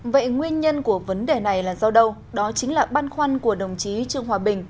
vậy nguyên nhân của vấn đề này là do đâu đó chính là băn khoăn của đồng chí trương hòa bình